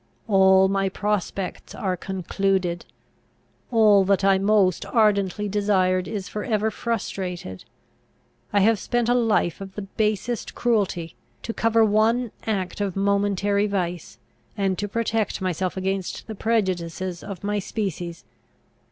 All my prospects are concluded. All that I most ardently desired, is for ever frustrated. I have spent a life of the basest cruelty, to cover one act of momentary vice, and to protect myself against the prejudices of my species.